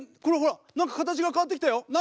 これほら何か形が変わってきたよ。